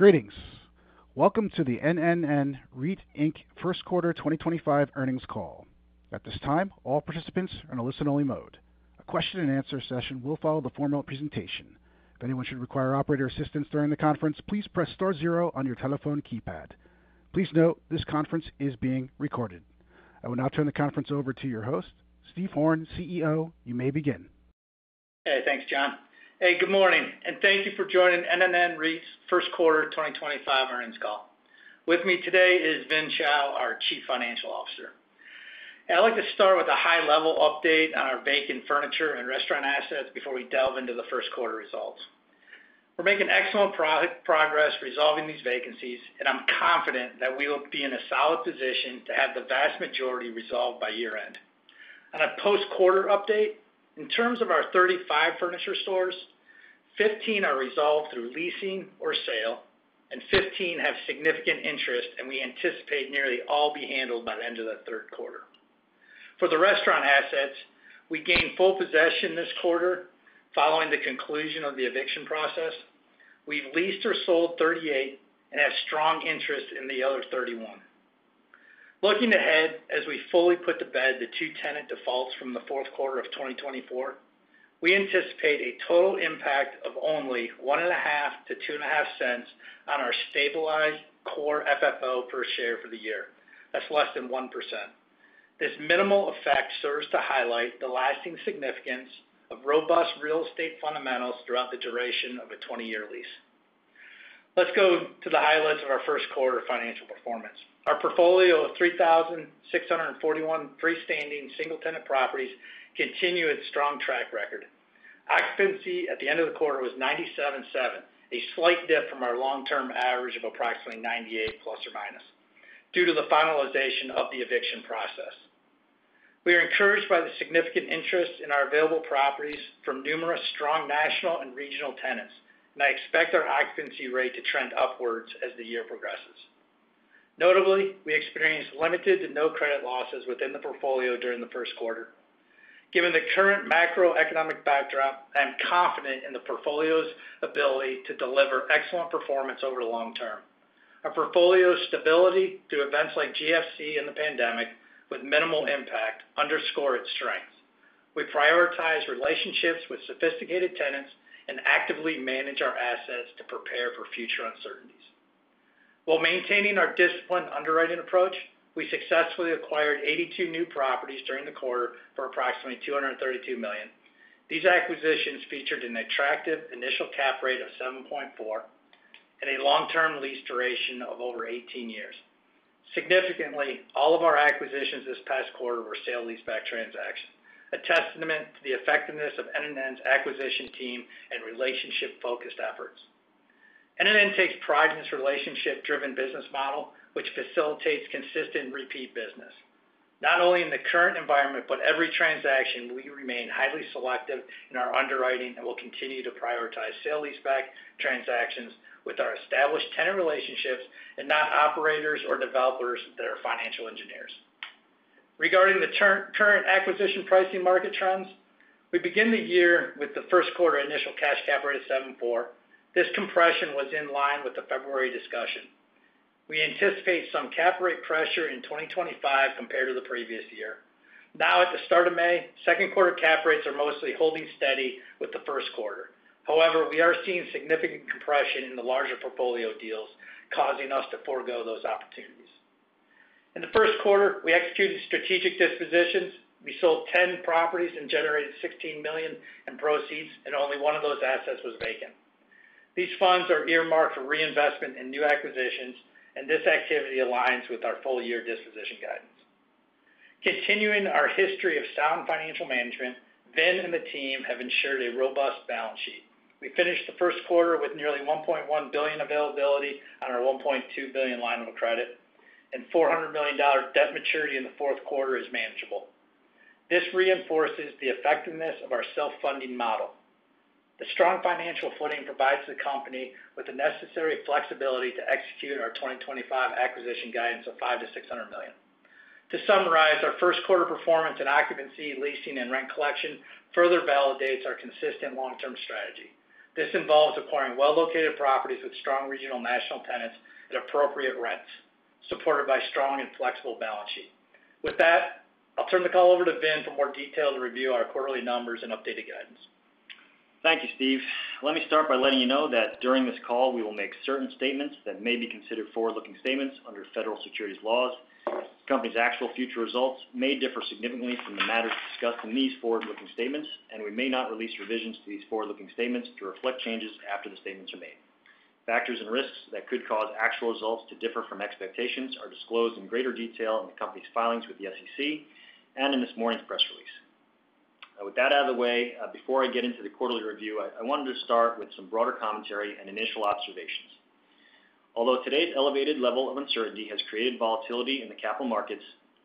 Greetings. Welcome to the NNN REIT First Quarter 2025 Earnings Call. At this time, all participants are in a listen-only mode. A question-and-answer session will follow the formal presentation. If anyone should require operator assistance during the conference, please press star zero on your telephone keypad. Please note this conference is being recorded. I will now turn the conference over to your host, Steve Horn, CEO. You may begin. Hey, thanks, John. Hey, good morning, and thank you for joining NNN REIT's First Quarter 2025 Earnings Call. With me today is Vin Chao, our Chief Financial Officer. I'd like to start with a high-level update on our vacant furniture and restaurant assets before we delve into the first quarter results. We're making excellent progress resolving these vacancies, and I'm confident that we will be in a solid position to have the vast majority resolved by year-end. On a post-quarter update, in terms of our 35 furniture stores, 15 are resolved through leasing or sale, and 15 have significant interest, and we anticipate nearly all be handled by the end of the third quarter. For the restaurant assets, we gained full possession this quarter following the conclusion of the eviction process. We've leased or sold 38 and have strong interest in the other 31. Looking ahead, as we fully put to bed the two-tenant defaults from the fourth quarter of 2024, we anticipate a total impact of only $0.015-$0.025 on our stabilized core FFO per share for the year. That's less than 1%. This minimal effect serves to highlight the lasting significance of robust real estate fundamentals throughout the duration of a 20-year lease. Let's go to the highlights of our first quarter financial performance. Our portfolio of 3,641 freestanding single-tenant properties continued its strong track record. Occupancy at the end of the quarter was 97.7%, a slight dip from our long-term average of approximately 98%± due to the finalization of the eviction process. We are encouraged by the significant interest in our available properties from numerous strong national and regional tenants, and I expect our occupancy rate to trend upwards as the year progresses. Notably, we experienced limited to no credit losses within the portfolio during the first quarter. Given the current macroeconomic backdrop, I'm confident in the portfolio's ability to deliver excellent performance over the long term. Our portfolio's stability through events like GFC and the pandemic, with minimal impact, underscores its strength. We prioritize relationships with sophisticated tenants and actively manage our assets to prepare for future uncertainties. While maintaining our disciplined underwriting approach, we successfully acquired 82 new properties during the quarter for approximately $232 million. These acquisitions featured an attractive initial cap rate of 7.4% and a long-term lease duration of over 18 years. Significantly, all of our acquisitions this past quarter were sale-leaseback transactions, a testament to the effectiveness of NNN's acquisition team and relationship-focused efforts. NNN takes pride in its relationship-driven business model, which facilitates consistent repeat business. Not only in the current environment, but every transaction, we remain highly selective in our underwriting and will continue to prioritize sale-leaseback transactions with our established tenant relationships and not operators or developers that are financial engineers. Regarding the current acquisition pricing market trends, we begin the year with the first quarter initial cash cap rate of 7.4%. This compression was in line with the February discussion. We anticipate some cap rate pressure in 2025 compared to the previous year. Now, at the start of May, second quarter cap rates are mostly holding steady with the first quarter. However, we are seeing significant compression in the larger portfolio deals, causing us to forgo those opportunities. In the first quarter, we executed strategic dispositions. We sold 10 properties and generated $16 million in proceeds, and only one of those assets was vacant. These funds are earmarked for reinvestment and new acquisitions, and this activity aligns with our full-year disposition guidance. Continuing our history of sound financial management, Vin and the team have ensured a robust balance sheet. We finished the first quarter with nearly $1.1 billion availability on our $1.2 billion line of credit, and $400 million debt maturity in the fourth quarter is manageable. This reinforces the effectiveness of our self-funding model. The strong financial footing provides the company with the necessary flexibility to execute our 2025 acquisition guidance of $500 million-$600 million. To summarize, our first quarter performance in occupancy, leasing, and rent collection further validates our consistent long-term strategy. This involves acquiring well-located properties with strong regional national tenants at appropriate rents, supported by a strong and flexible balance sheet. With that, I'll turn the call over to Vin for more detailed review of our quarterly numbers and updated guidance. Thank you, Steve. Let me start by letting you know that during this call, we will make certain statements that may be considered forward-looking statements under federal securities laws. The company's actual future results may differ significantly from the matters discussed in these forward-looking statements, and we may not release revisions to these forward-looking statements to reflect changes after the statements are made. Factors and risks that could cause actual results to differ from expectations are disclosed in greater detail in the company's filings with the SEC and in this morning's press release. With that out of the way, before I get into the quarterly review, I wanted to start with some broader commentary and initial observations. Although today's elevated level of uncertainty has created volatility in the capital markets,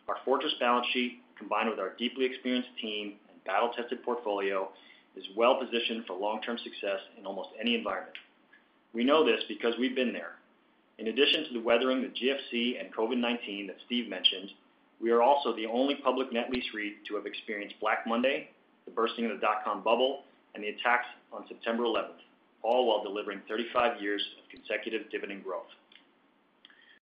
our fortress balance sheet, combined with our deeply experienced team and battle-tested portfolio, is well-positioned for long-term success in almost any environment. We know this because we've been there. In addition to the weathering that GFC and COVID-19 that Steve mentioned, we are also the only public net lease REIT to have experienced Black Monday, the bursting of the dot-com bubble, and the attacks on September 11th, all while delivering 35 years of consecutive dividend growth.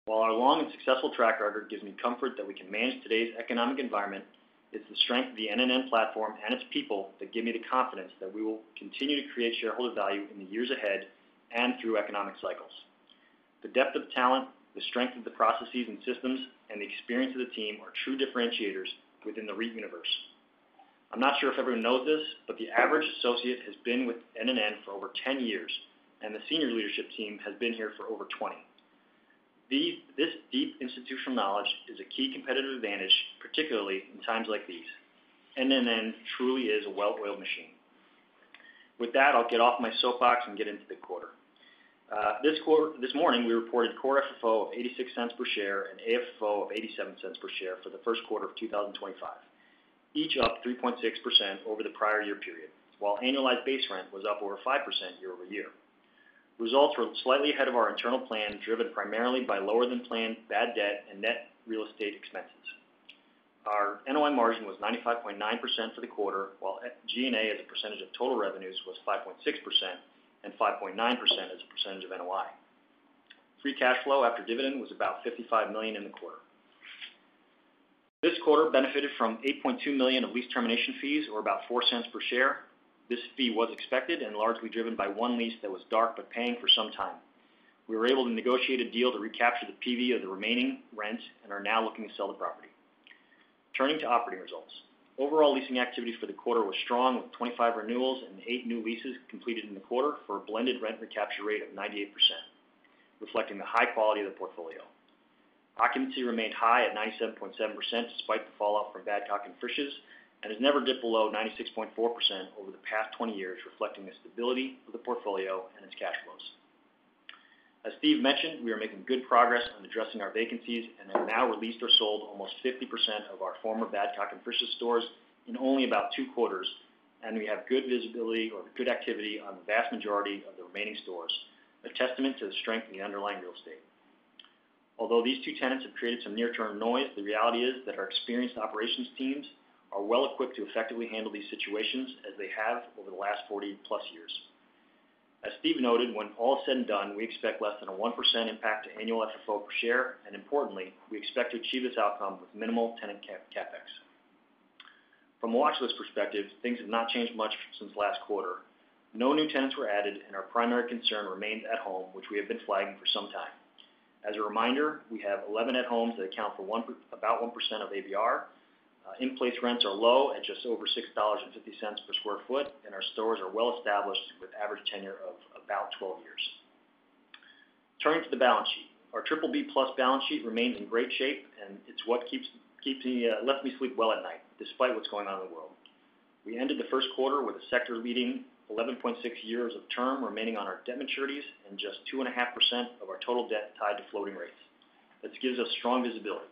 While our long and successful track record gives me comfort that we can manage today's economic environment, it's the strength of the NNN platform and its people that give me the confidence that we will continue to create shareholder value in the years ahead and through economic cycles. The depth of talent, the strength of the processes and systems, and the experience of the team are true differentiators within the REIT universe. I'm not sure if everyone knows this, but the average associate has been with NNN for over 10 years, and the senior leadership team has been here for over 20. This deep institutional knowledge is a key competitive advantage, particularly in times like these. NNN truly is a well-oiled machine. With that, I'll get off my soapbox and get into the quarter. This morning, we reported core FFO of $0.86 per share and AFFO of $0.87 per share for the first quarter of 2025, each up 3.6% over the prior year period, while annualized base rent was up over 5% year-over-year. Results were slightly ahead of our internal plan, driven primarily by lower-than-planned bad debt and net real estate expenses. Our NOI margin was 95.9% for the quarter, while G&A as a percentage of total revenues was 5.6% and 5.9% as a percentage of NOI. Free cash flow after dividend was about $55 million in the quarter. This quarter benefited from $8.2 million of lease termination fees, or about $0.04 per share. This fee was expected and largely driven by one lease that was dark but paying for some time. We were able to negotiate a deal to recapture the PV of the remaining rents and are now looking to sell the property. Turning to operating results, overall leasing activity for the quarter was strong, with 25 renewals and eight new leases completed in the quarter for a blended rent recapture rate of 98%, reflecting the high quality of the portfolio. Occupancy remained high at 97.7% despite the fallout from Badcock and Frisch's and has never dipped below 96.4% over the past 20 years, reflecting the stability of the portfolio and its cash flows. As Steve mentioned, we are making good progress on addressing our vacancies and have now released or sold almost 50% of our former Badcock and Frisch's stores in only about two quarters, and we have good visibility or good activity on the vast majority of the remaining stores, a testament to the strength of the underlying real estate. Although these two tenants have created some near-term noise, the reality is that our experienced operations teams are well-equipped to effectively handle these situations as they have over the last 40+ years. As Steve noted, when all is said and done, we expect less than a 1% impact to annual FFO per share, and importantly, we expect to achieve this outcome with minimal tenant CapEx. From a watchlist perspective, things have not changed much since last quarter. No new tenants were added, and our primary concern remains At Home, which we have been flagging for some time. As a reminder, we have 11 At Home that account for about 1% of ABR. In-place rents are low at just over $6.50 per sq ft, and our stores are well-established with an average tenure of about 12 years. Turning to the balance sheet, our BBB+ balance sheet remains in great shape, and it's what keeps me sleep well at night, despite what's going on in the world. We ended the first quarter with a sector-leading 11.6 years of term remaining on our debt maturities and just 2.5% of our total debt tied to floating rates. This gives us strong visibility.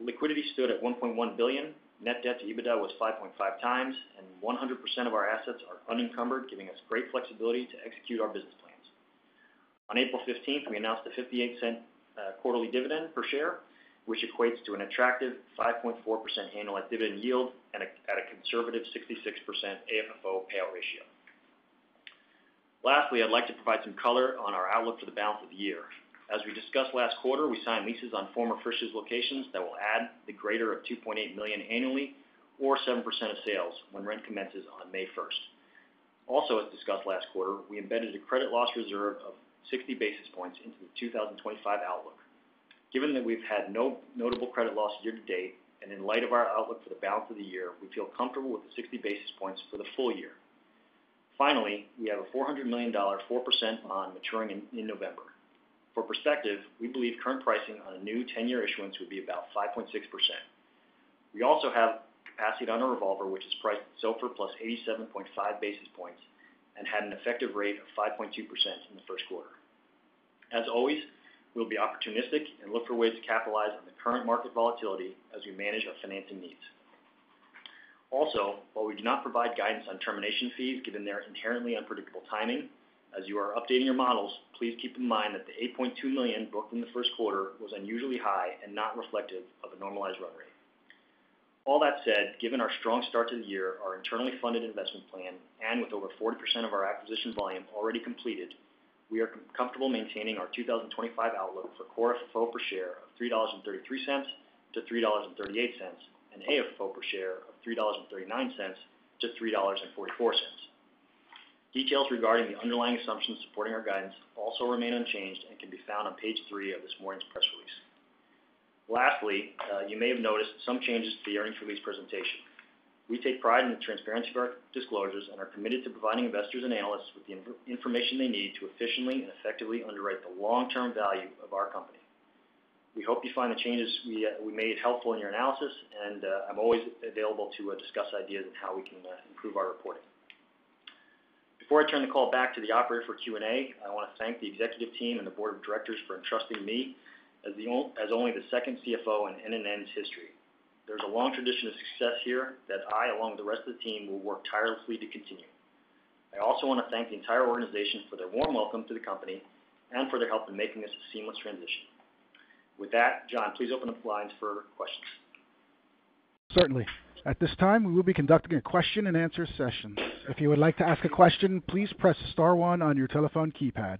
Liquidity stood at $1.1 billion. Net debt to EBITDA was 5.5x, and 100% of our assets are unencumbered, giving us great flexibility to execute our business plans. On April 15th, we announced a $0.58 quarterly dividend per share, which equates to an attractive 5.4% annual dividend yield and at a conservative 66% AFFO payout ratio. Lastly, I'd like to provide some color on our outlook for the balance of the year. As we discussed last quarter, we signed leases on former Frisch's locations that will add the greater of $2.8 million annually or 7% of sales when rent commences on May 1st. Also, as discussed last quarter, we embedded a credit loss reserve of 60 basis points into the 2025 outlook. Given that we've had no notable credit loss year-to-date and in light of our outlook for the balance of the year, we feel comfortable with the 60 basis points for the full year. Finally, we have a $400 million, 4% on maturing in November. For perspective, we believe current pricing on a new 10-year issuance would be about 5.6%. We also have capacity on a revolver, which is priced at SOFR plus 87.5 basis points and had an effective rate of 5.2% in the first quarter. As always, we'll be opportunistic and look for ways to capitalize on the current market volatility as we manage our financing needs. Also, while we do not provide guidance on termination fees given their inherently unpredictable timing, as you are updating your models, please keep in mind that the $8.2 million booked in the first quarter was unusually high and not reflective of a normalized run rate. All that said, given our strong start to the year, our internally funded investment plan, and with over 40% of our acquisition volume already completed, we are comfortable maintaining our 2025 outlook for core FFO per share of $3.33-$3.38 and AFFO per share of $3.39-$3.44. Details regarding the underlying assumptions supporting our guidance also remain unchanged and can be found on page three of this morning's press release. Lastly, you may have noticed some changes to the earnings release presentation. We take pride in the transparency of our disclosures and are committed to providing investors and analysts with the information they need to efficiently and effectively underwrite the long-term value of our company. We hope you find the changes we made helpful in your analysis, and I'm always available to discuss ideas on how we can improve our reporting. Before I turn the call back to the operator for Q&A, I want to thank the executive team and the board of directors for entrusting me as only the second CFO in NNN's history. There's a long tradition of success here that I, along with the rest of the team, will work tirelessly to continue. I also want to thank the entire organization for their warm welcome to the company and for their help in making this a seamless transition. With that, John, please open up the lines for questions. Certainly. At this time, we will be conducting a question and answer session. If you would like to ask a question, please press star one on your telephone keypad.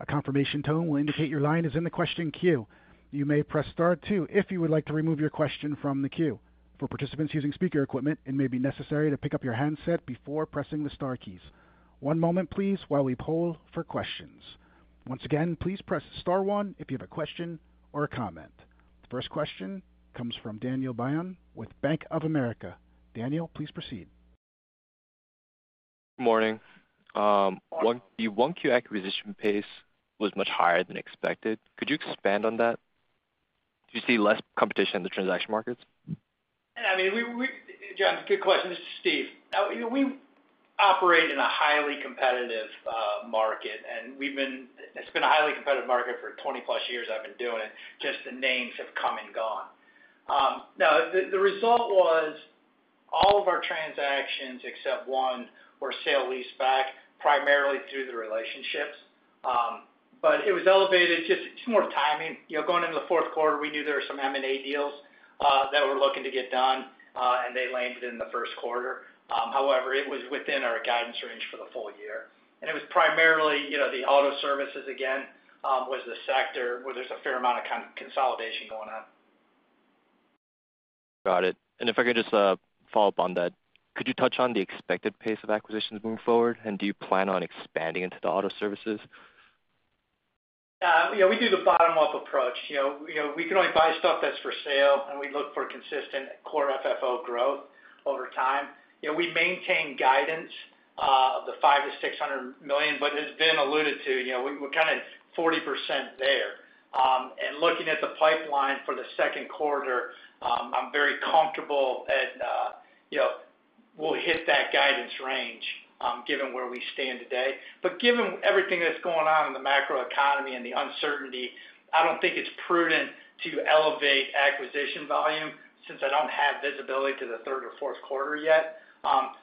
A confirmation tone will indicate your line is in the question queue. You may press star two if you would like to remove your question from the queue. For participants using speaker equipment, it may be necessary to pick up your handset before pressing the star keys. One moment, please, while we poll for questions. Once again, please press star one if you have a question or a comment. The first question comes from Daniel Bion with Bank of America. Daniel, please proceed. Good morning. The 1Q acquisition pace was much higher than expected. Could you expand on that? Do you see less competition in the transaction markets? I mean, John, it's a good question. This is Steve. We operate in a highly competitive market, and it's been a highly competitive market for 20-plus years I've been doing it. Just the names have come and gone. Now, the result was all of our transactions except one were sale-leaseback, primarily through the relationships. It was elevated just more timing. Going into the fourth quarter, we knew there were some M&A deals that were looking to get done, and they landed in the first quarter. However, it was within our guidance range for the full year. It was primarily the auto services, again, was the sector where there's a fair amount of consolidation going on. Got it. If I could just follow up on that, could you touch on the expected pace of acquisitions moving forward, and do you plan on expanding into the auto services? Yeah, we do the bottom-up approach. We can only buy stuff that's for sale, and we look for consistent core FFO growth over time. We maintain guidance of the $500 million-$600 million, but as Vin alluded to, we're kind of 40% there. Looking at the pipeline for the second quarter, I'm very comfortable that we'll hit that guidance range given where we stand today. Given everything that's going on in the macroeconomy and the uncertainty, I don't think it's prudent to elevate acquisition volume since I don't have visibility to the third or fourth quarter yet.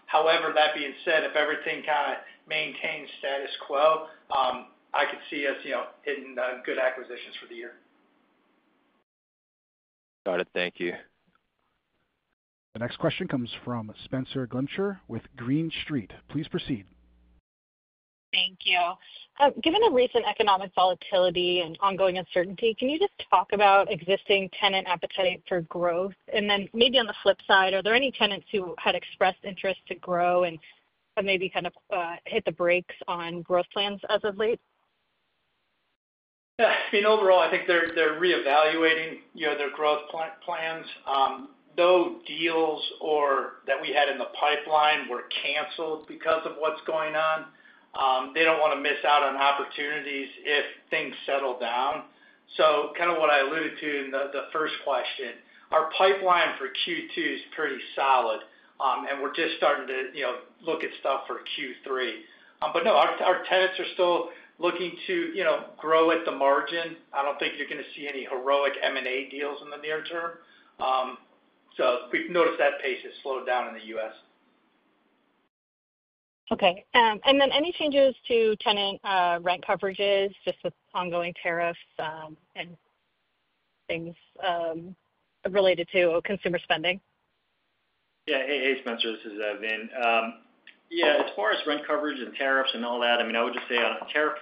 However, that being said, if everything kind of maintains status quo, I could see us hitting good acquisitions for the year. Got it. Thank you. The next question comes from Spenser Glimcher with Green Street. Please proceed. Thank you. Given the recent economic volatility and ongoing uncertainty, can you just talk about existing tenant appetite for growth? Maybe on the flip side, are there any tenants who had expressed interest to grow and maybe kind of hit the brakes on growth plans as of late? I mean, overall, I think they're reevaluating their growth plans. No deals that we had in the pipeline were canceled because of what's going on. They don't want to miss out on opportunities if things settle down. Kind of what I alluded to in the first question, our pipeline for Q2 is pretty solid, and we're just starting to look at stuff for Q3. No, our tenants are still looking to grow at the margin. I don't think you're going to see any heroic M&A deals in the near term. We've noticed that pace has slowed down in the U.S. Okay. Any changes to tenant rent coverages, just with ongoing tariffs and things related to consumer spending? Yeah. Hey, Spenser. This is Vin. Yeah, as far as rent coverage and tariffs and all that, I mean, I would just say on a tariff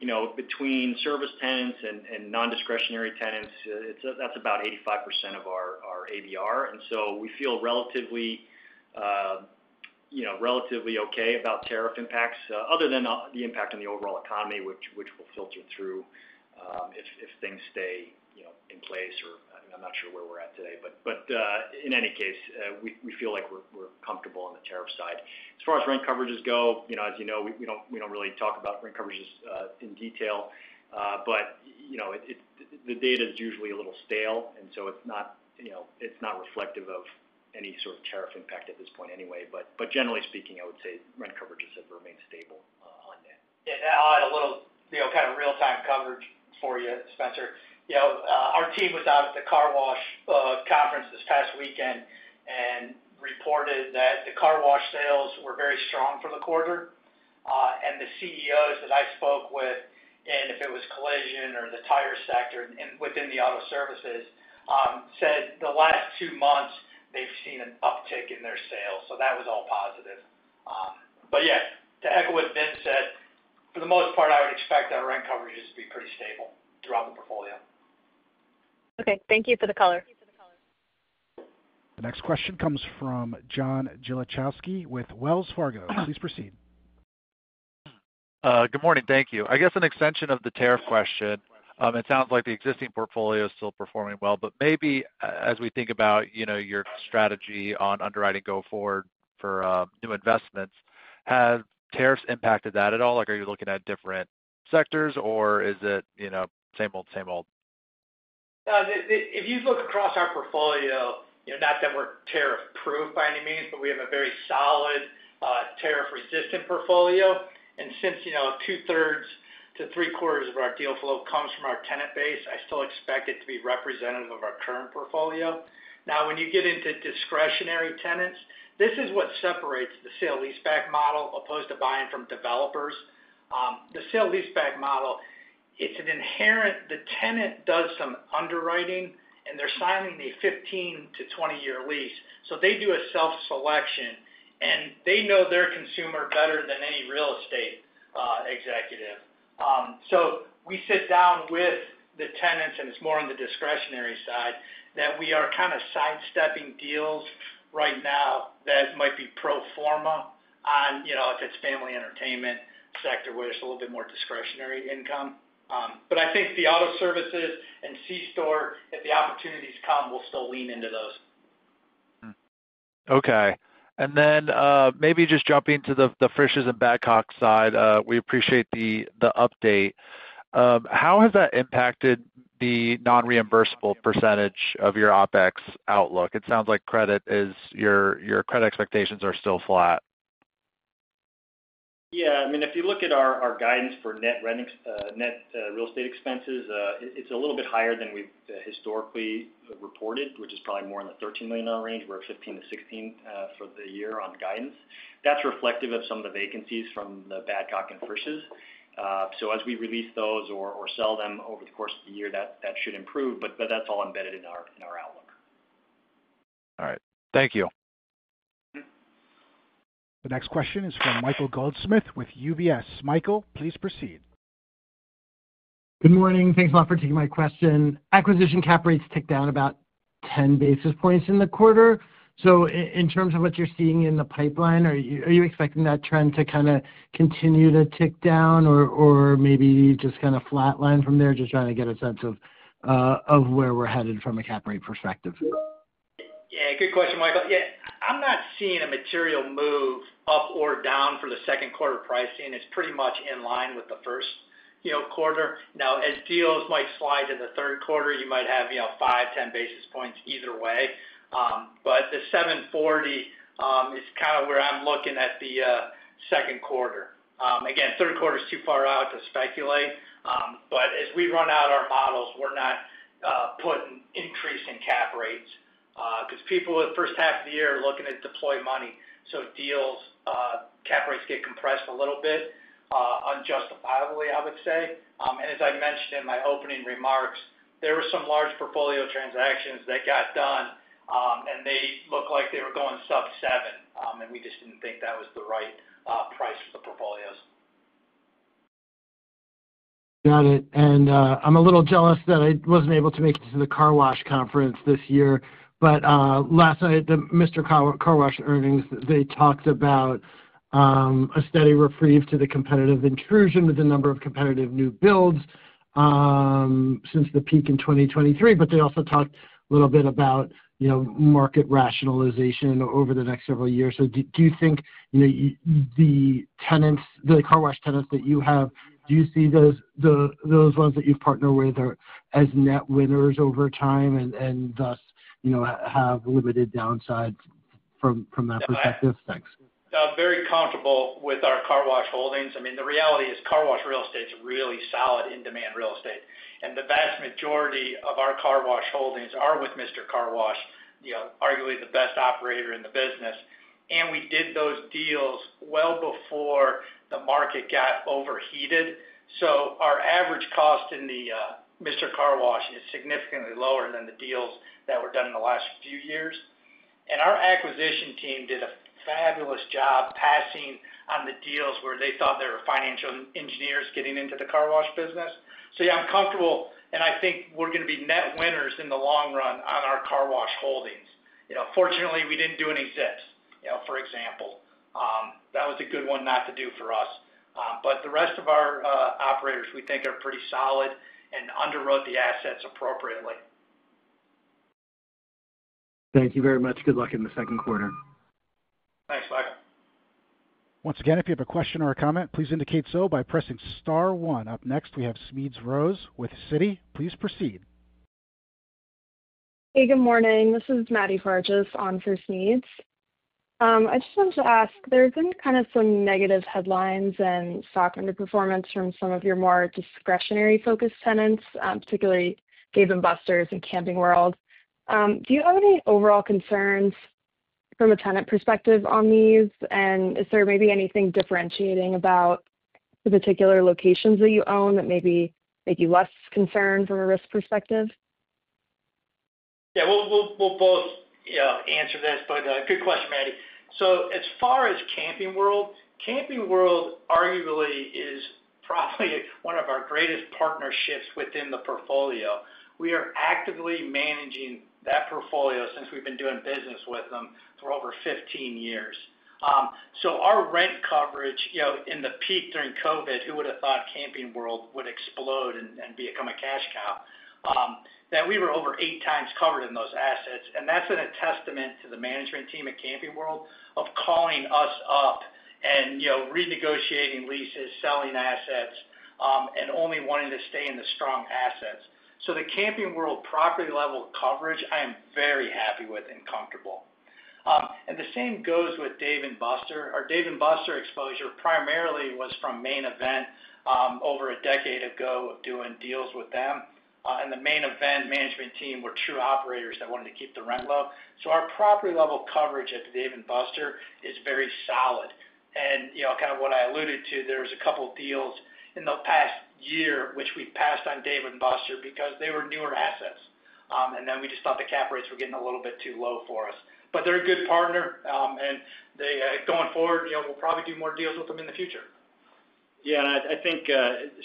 perspective, between service tenants and non-discretionary tenants, that's about 85% of our ABR. We feel relatively okay about tariff impacts, other than the impact on the overall economy, which will filter through if things stay in place. I'm not sure where we're at today, but in any case, we feel like we're comfortable on the tariff side. As far as rent coverages go, as you know, we do not really talk about rent coverages in detail, but the data is usually a little stale, and so it is not reflective of any sort of tariff impact at this point anyway. Generally speaking, I would say rent coverages have remained stable on that. Yeah. I'll add a little kind of real-time coverage for you, Spenser. Our team was out at the car wash conference this past weekend and reported that the car wash sales were very strong for the quarter. The CEOs that I spoke with, and if it was collision or the tire sector within the auto services, said the last two months they've seen an uptick in their sales. That was all positive. Yeah, to echo what Vin said, for the most part, I would expect our rent coverages to be pretty stable throughout the portfolio. Okay. Thank you for the color. The next question comes from John [Jelachowski] with Wells Fargo. Please proceed. Good morning. Thank you. I guess an extension of the tariff question. It sounds like the existing portfolio is still performing well, but maybe as we think about your strategy on underwriting go forward for new investments, have tariffs impacted that at all? Are you looking at different sectors, or is it same old, same old? If you look across our portfolio, not that we're tariff-proof by any means, but we have a very solid tariff-resistant portfolio. Since two-thirds to three-quarters of our deal flow comes from our tenant base, I still expect it to be representative of our current portfolio. Now, when you get into discretionary tenants, this is what separates the sale-leaseback model opposed to buying from developers. The sale-leaseback model, it's inherent the tenant does some underwriting, and they're signing a 15-year to 20-year lease. They do a self-selection, and they know their consumer better than any real estate executive. We sit down with the tenants, and it's more on the discretionary side, that we are kind of sidestepping deals right now that might be pro forma if it's family entertainment sector, where there's a little bit more discretionary income. I think the auto services and C-store, if the opportunities come, we'll still lean into those. Okay. Maybe just jumping to the Frisch's and Badcock side, we appreciate the update. How has that impacted the non-reimbursable percentage of your OpEx outlook? It sounds like your credit expectations are still flat. Yeah. I mean, if you look at our guidance for net real estate expenses, it's a little bit higher than we've historically reported, which is probably more in the $13 million range. We're at $15 million-$16 million for the year on guidance. That's reflective of some of the vacancies from the Badcock and Frisch's. As we release those or sell them over the course of the year, that should improve, but that's all embedded in our outlook. All right. Thank you. The next question is from Michael Goldsmith with UBS. Michael, please proceed. Good morning. Thanks a lot for taking my question. Acquisition cap rates ticked down about 10 basis points in the quarter. In terms of what you're seeing in the pipeline, are you expecting that trend to kind of continue to tick down or maybe just kind of flatline from there? Just trying to get a sense of where we're headed from a cap rate perspective. Yeah. Good question, Michael. Yeah. I'm not seeing a material move up or down for the second quarter pricing. It's pretty much in line with the first quarter. Now, as deals might slide in the third quarter, you might have 5-10 basis points either way. But the $740 is kind of where I'm looking at the second quarter. Again, third quarter is too far out to speculate. As we run out our models, we're not putting increasing cap rates because people in the first half of the year are looking to deploy money. So deals, cap rates get compressed a little bit unjustifiably, I would say. As I mentioned in my opening remarks, there were some large portfolio transactions that got done, and they looked like they were going sub-7, and we just didn't think that was the right price for the portfolios. Got it. I'm a little jealous that I wasn't able to make it to the car wash conference this year. Last night, at the Mister Car Wash earnings, they talked about a steady reprieve to the competitive intrusion with the number of competitive new builds since the peak in 2023. They also talked a little bit about market rationalization over the next several years. Do you think the car wash tenants that you have, do you see those ones that you've partnered with as net winners over time and thus have limited downside from that perspective? Yeah. Very comfortable with our car wash holdings. I mean, the reality is car wash real estate's really solid in-demand real estate. And the vast majority of our car wash holdings are with Mister Car Wash, arguably the best operator in the business. We did those deals well before the market got overheated. Our average cost in Mister Car Wash is significantly lower than the deals that were done in the last few years. Our acquisition team did a fabulous job passing on the deals where they thought there were financial engineers getting into the car wash business. Yeah, I'm comfortable. I think we're going to be net winners in the long run on our car wash holdings. Fortunately, we didn't do any Zips, for example. That was a good one not to do for us. The rest of our operators, we think, are pretty solid and underwrote the assets appropriately. Thank you very much. Good luck in the second quarter. Thanks. Bye. Once again, if you have a question or a comment, please indicate so by pressing star one. Up next, we have Smedes Rose with Citi. Please proceed. Hey, good morning. This is Maddie Hargis on for Smedes. I just wanted to ask, there have been kind of some negative headlines and stock underperformance from some of your more discretionary-focused tenants, particularly Dave & Buster's and Camping World. Do you have any overall concerns from a tenant perspective on these? Is there maybe anything differentiating about the particular locations that you own that maybe make you less concerned from a risk perspective? Yeah. We'll both answer this. Good question, Maddie. As far as Camping World, Camping World arguably is probably one of our greatest partnerships within the portfolio. We are actively managing that portfolio since we've been doing business with them for over 15 years. Our rent coverage in the peak during COVID, who would have thought Camping World would explode and become a cash cow? We were over eight times covered in those assets. That has been a testament to the management team at Camping World of calling us up and renegotiating leases, selling assets, and only wanting to stay in the strong assets. The Camping World property-level coverage, I am very happy with and comfortable. The same goes with Dave & Buster. Our Dave & Buster exposure primarily was from Main Event over a decade ago of doing deals with them. The Main Event management team were true operators that wanted to keep the rent low. Our property-level coverage at Dave & Buster's is very solid. Kind of what I alluded to, there was a couple of deals in the past year which we passed on Dave & Buster's because they were newer assets. We just thought the cap rates were getting a little bit too low for us. They're a good partner. Going forward, we'll probably do more deals with them in the future. Yeah. I think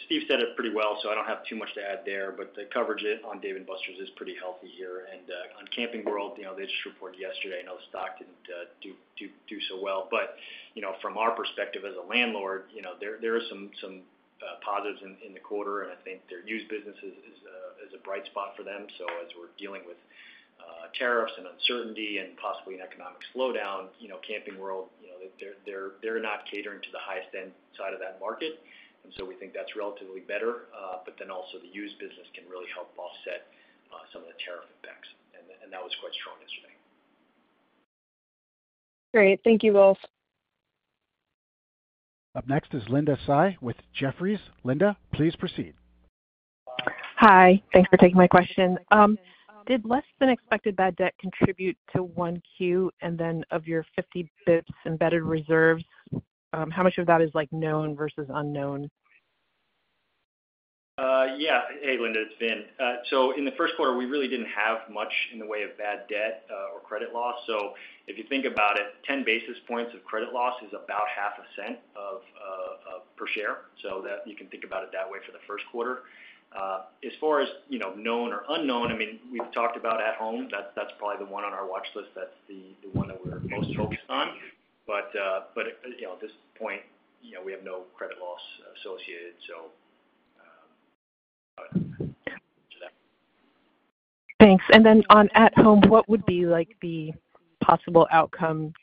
Steve said it pretty well, so I don't have too much to add there. The coverage on Dave & Buster's is pretty healthy here. On Camping World, they just reported yesterday. I know the stock didn't do so well. From our perspective as a landlord, there are some positives in the quarter. I think their used business is a bright spot for them. As we're dealing with tariffs and uncertainty and possibly an economic slowdown, Camping World is not catering to the highest-end side of that market. We think that's relatively better. The used business can really help offset some of the tariff impacts. That was quite strong yesterday. Great. Thank you both. Up next is Linda Tsai with Jefferies. Linda, please proceed. Hi. Thanks for taking my question. Did less-than-expected bad debt contribute to 1Q? And then of your 50 bps embedded reserves, how much of that is known versus unknown? Yeah. Hey, Linda. It's Vin. In the first quarter, we really did not have much in the way of bad debt or credit loss. If you think about it, 10 basis points of credit loss is about $0.005 per share. You can think about it that way for the first quarter. As far as known or unknown, I mean, we have talked about At Home. That is probably the one on our watch list. That is the one that we are most focused on. At this point, we have no credit loss associated. Thanks. Thanks. Then on At Home, what would be the possible outcome?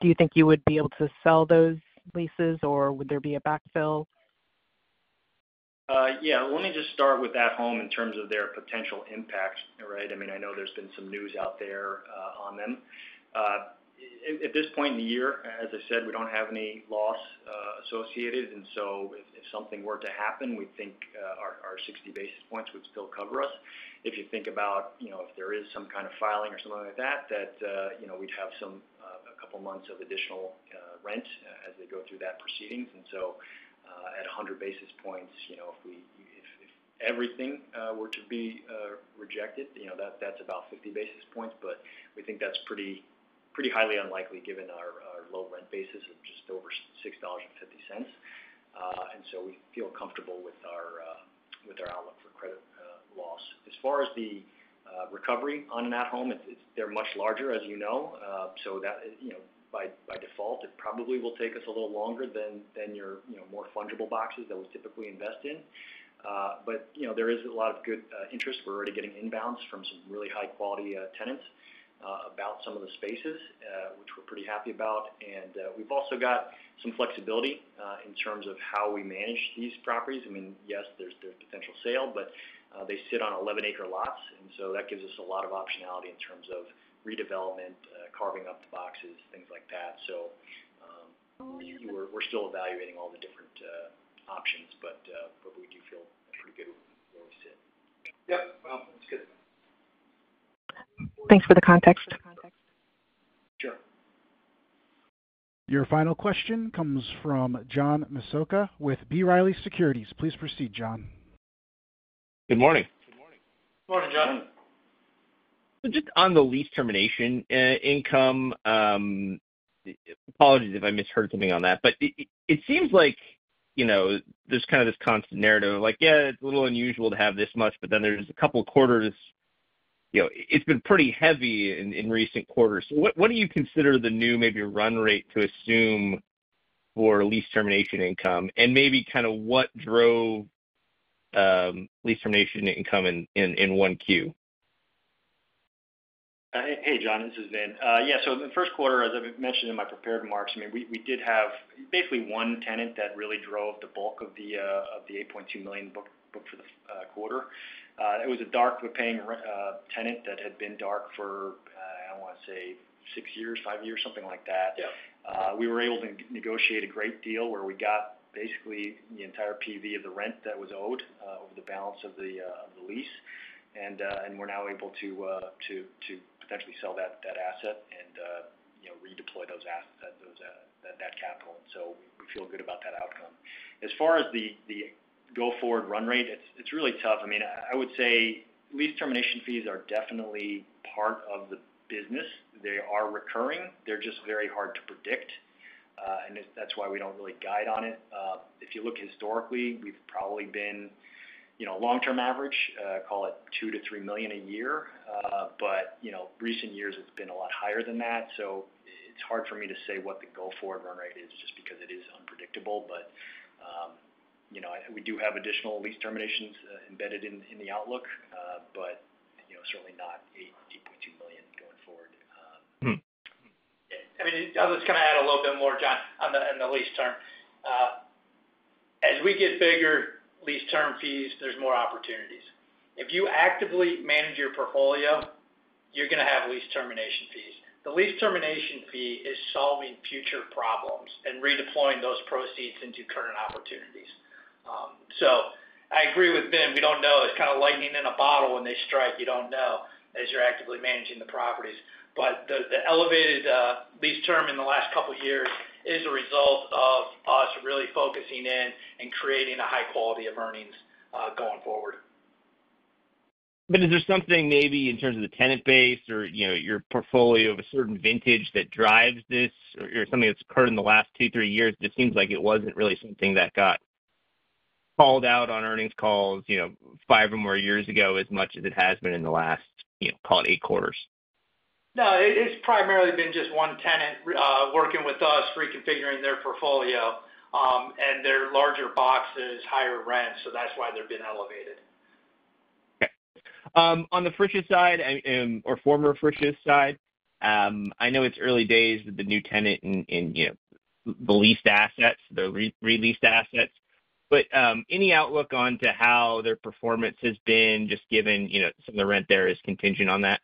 Do you think you would be able to sell those leases, or would there be a backfill? Yeah. Let me just start with At Home in terms of their potential impact, right? I mean, I know there's been some news out there on them. At this point in the year, as I said, we don't have any loss associated. If something were to happen, we think our 60 basis points would still cover us. If you think about if there is some kind of filing or something like that, we'd have a couple of months of additional rent as they go through that proceedings. At 100 basis points, if everything were to be rejected, that's about 50 basis points. We think that's pretty highly unlikely given our low rent basis of just over $6.50. We feel comfortable with our outlook for credit loss. As far as the recovery on an At Home, they're much larger, as you know. By default, it probably will take us a little longer than your more fungible boxes that we typically invest in. There is a lot of good interest. We're already getting inbounds from some really high-quality tenants about some of the spaces, which we're pretty happy about. We've also got some flexibility in terms of how we manage these properties. I mean, yes, there's potential sale, but they sit on 11-acre lots. That gives us a lot of optionality in terms of redevelopment, carving up the boxes, things like that. We're still evaluating all the different options, but we do feel pretty good where we sit. Yep. That is good. Thanks for the context. Sure. Your final question comes from John Massocca with B. Riley Securities. Please proceed, John. Good morning. Good morning, John. Just on the lease termination income, apologies if I misheard something on that. It seems like there's kind of this constant narrative of like, "Yeah, it's a little unusual to have this much." There are a couple of quarters it's been pretty heavy in recent quarters. What do you consider the new maybe run rate to assume for lease termination income? Maybe kind of what drove lease termination income in 1Q? Hey, John. This is Vin. Yeah. In the first quarter, as I mentioned in my prepared remarks, I mean, we did have basically one tenant that really drove the bulk of the $8.2 million booked for the quarter. It was a dark, but paying tenant that had been dark for, I want to say, six years, five years, something like that. We were able to negotiate a great deal where we got basically the entire PV of the rent that was owed over the balance of the lease. We're now able to potentially sell that asset and redeploy that capital. We feel good about that outcome. As far as the go-forward run rate, it's really tough. I mean, I would say lease termination fees are definitely part of the business. They are recurring. They're just very hard to predict. That is why we do not really guide on it. If you look historically, we have probably been long-term average, call it $2 million-$3 million a year. Recent years, it has been a lot higher than that. It is hard for me to say what the go-forward run rate is just because it is unpredictable. We do have additional lease terminations embedded in the outlook, certainly not $8.2 million going forward. I mean, I'll just kind of add a little bit more, John, on the lease term. As we get bigger, lease termination fees, there's more opportunities. If you actively manage your portfolio, you're going to have lease termination fees. The lease termination fee is solving future problems and redeploying those proceeds into current opportunities. I agree with Vin. We don't know. It's kind of lightning in a bottle when they strike. You don't know as you're actively managing the properties. The elevated lease termination in the last couple of years is a result of us really focusing in and creating a high quality of earnings going forward. Is there something maybe in terms of the tenant base or your portfolio of a certain vintage that drives this or something that's occurred in the last two, three years that seems like it wasn't really something that got called out on earnings calls, five or more years ago, as much as it has been in the last, call it, eight quarters? No. It's primarily been just one tenant working with us, reconfiguring their portfolio. And they're larger boxes, higher rent. That's why they're being elevated. Okay. On the Frisch's side or former Frisch's side, I know it's early days with the new tenant and the leased assets, the re-leased assets. Any outlook onto how their performance has been just given some of the rent there is contingent on that?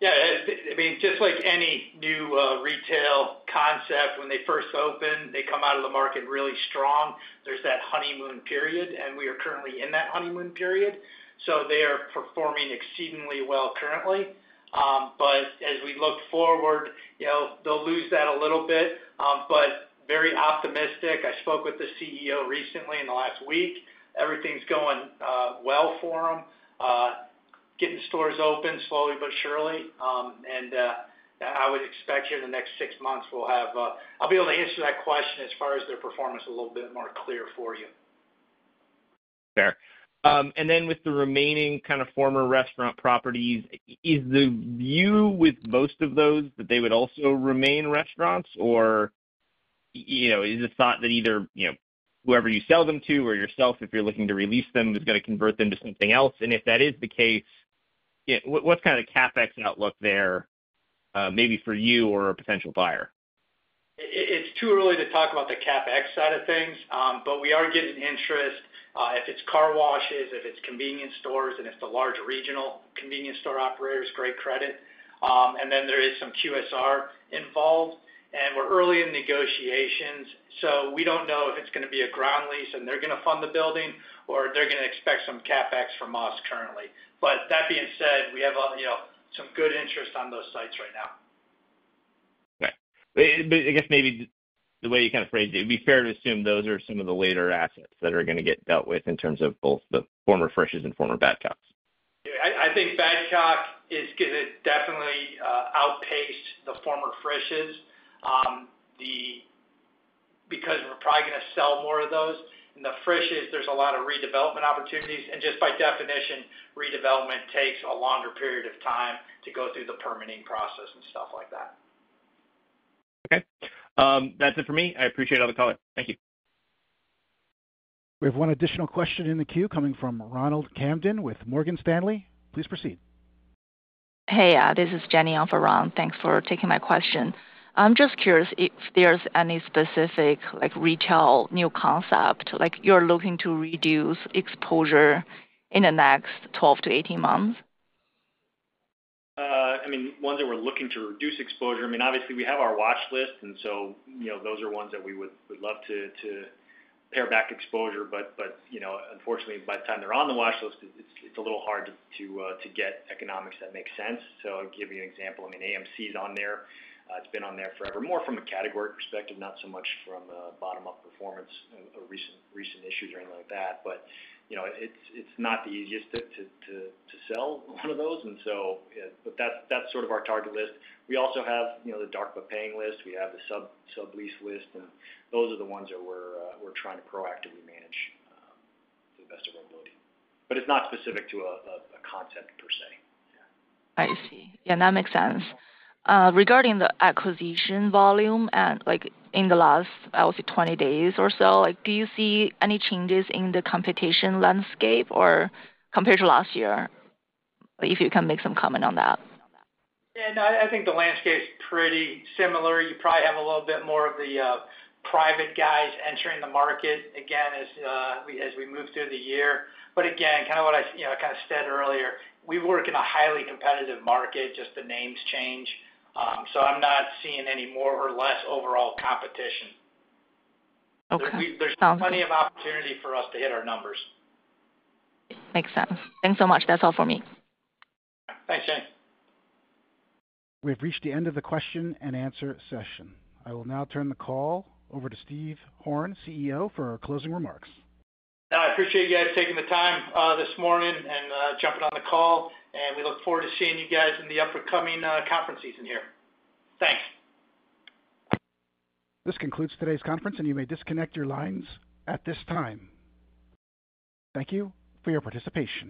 Yeah. I mean, just like any new retail concept, when they first open, they come out of the market really strong. There's that honeymoon period. We are currently in that honeymoon period. They are performing exceedingly well currently. As we look forward, they'll lose that a little bit. Very optimistic. I spoke with the CEO recently in the last week. Everything's going well for them, getting stores open slowly but surely. I would expect here in the next six months, I'll be able to answer that question as far as their performance a little bit more clear for you. Fair. With the remaining kind of former restaurant properties, is the view with most of those that they would also remain restaurants? Is it thought that either whoever you sell them to or yourself, if you're looking to release them, is going to convert them to something else? If that is the case, what's kind of the CapEx outlook there maybe for you or a potential buyer? It's too early to talk about the CapEx side of things. We are getting interest if it's car washes, if it's convenience stores, and if the large regional convenience store operators, great credit. There is some QSR involved. We're early in negotiations. We don't know if it's going to be a ground lease and they're going to fund the building or they're going to expect some CapEx from us currently. That being said, we have some good interest on those sites right now. Okay. I guess maybe the way you kind of phrased it, it'd be fair to assume those are some of the later assets that are going to get dealt with in terms of both the former Frisch's and former Badcock's. I think Badcock is going to definitely outpace the former Frisch's because we're probably going to sell more of those. The Frisch's, there's a lot of redevelopment opportunities. Just by definition, redevelopment takes a longer period of time to go through the permitting process and stuff like that. Okay. That's it for me. I appreciate all the calling. Thank you. We have one additional question in the queue coming from Ronald Kamdem with Morgan Stanley. Please proceed. Hey, this is Jenny on for Ron. Thanks for taking my question. I'm just curious if there's any specific retail new concept you're looking to reduce exposure in the next 12 months-18 months? I mean, ones that we're looking to reduce exposure, I mean, obviously, we have our watch list. Those are ones that we would love to pare back exposure. Unfortunately, by the time they're on the watch list, it's a little hard to get economics that make sense. I'll give you an example. I mean, AMC is on there. It's been on there forever, more from a category perspective, not so much from bottom-up performance, recent issues, or anything like that. It's not the easiest to sell one of those. That's sort of our target list. We also have the dark, but paying list. We have the sub-lease list. Those are the ones that we're trying to proactively manage to the best of our ability. It's not specific to a concept per se. I see. Yeah. That makes sense. Regarding the acquisition volume in the last, I would say, 20 days or so, do you see any changes in the competition landscape compared to last year? If you can make some comment on that. Yeah. No, I think the landscape's pretty similar. You probably have a little bit more of the private guys entering the market again as we move through the year. Again, kind of what I kind of said earlier, we work in a highly competitive market. Just the names change. I'm not seeing any more or less overall competition. There's plenty of opportunity for us to hit our numbers. Makes sense. Thanks so much. That's all for me. Thanks, Jenny. We have reached the end of the question and answer session. I will now turn the call over to Steve Horn, CEO, for closing remarks. I appreciate you guys taking the time this morning and jumping on the call. We look forward to seeing you guys in the upcoming conference season here. Thanks. This concludes today's conference, and you may disconnect your lines at this time. Thank you for your participation.